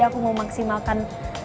aku mau maksimalkan